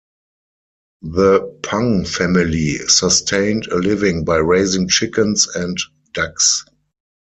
The Pang family sustained a living by raising chickens and ducks.